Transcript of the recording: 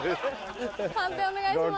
判定お願いします。